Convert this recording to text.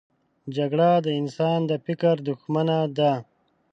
جګړه د انسان د فکر دښمنه ده